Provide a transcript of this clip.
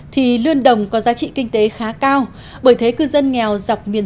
thì lươn đồng có giá trị tốt hơn